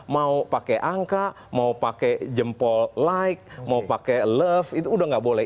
mau pakai angka mau pakai jempol like mau pakai love itu udah nggak boleh